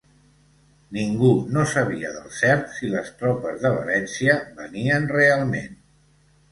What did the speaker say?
Ningú no sabia del cert si les tropes de València venien realment